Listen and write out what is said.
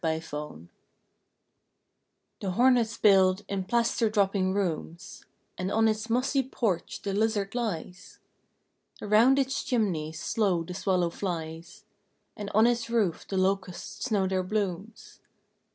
ABANDONED The hornets build in plaster dropping rooms, And on its mossy porch the lizard lies; Around its chimneys slow the swallow flies, And on its roof the locusts snow their blooms.